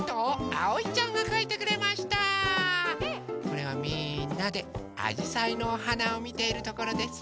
これはみんなであじさいのおはなをみているところです。